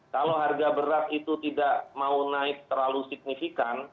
kalau harga beras itu tidak mau naik terlalu signifikan